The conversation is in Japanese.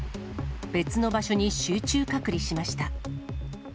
別の場所に集中隔離しました。